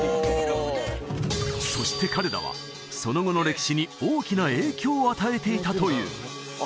そして彼らはその後の歴史に大きな影響を与えていたというあ